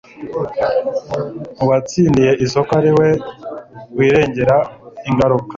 uwatsindiye isoko ariwe wirengera ingaruka